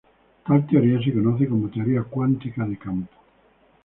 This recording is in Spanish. Tal teoría se conoce como teoría cuántica de campo.